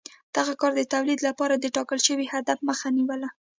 دغه کار د تولید لپاره د ټاکل شوي هدف مخه نیوله